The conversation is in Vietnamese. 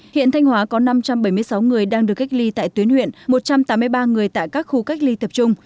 hiện thanh hóa có năm trăm bảy mươi sáu người đang được cách ly tại tuyến huyện một trăm tám mươi ba người tại các khu cách ly tập trung